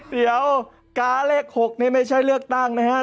เดี๋ยวกาเลข๖นี่ไม่ใช่เลือกตั้งนะครับ